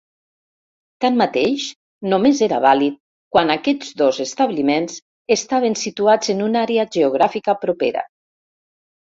Tanmateix, només era vàlid quan aquests dos establiments estaven situats en una àrea geogràfica propera.